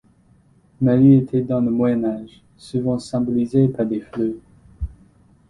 Marie était dans le Moyen Âge, souvent symbolisé par des fleurs.